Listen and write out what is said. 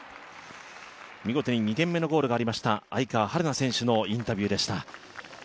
見事に２点目のゴールがありました愛川陽菜選手のインタビューでした。